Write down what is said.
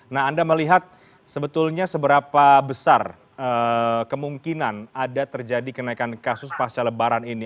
nah anda melihat sebetulnya seberapa besar kemungkinan ada terjadi kenaikan kasus pasca lebaran ini